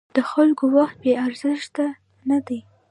د خلکو وخت بې ارزښته نه دی.